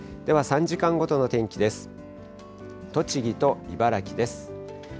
では、３時間ごとの天気です。